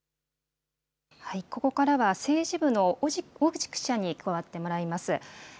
ここからは政治部の小口記者に加わってもらいます。